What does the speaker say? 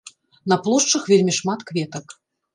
На плошчах вельмі шмат кветак.